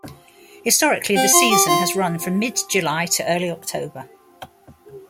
Historically, the season has run from mid-July to early October.